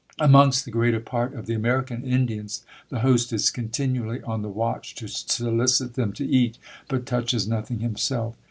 Amongst the greater part of the American Indians, the host is continually on the watch to solicit them to eat, but touches nothing himself.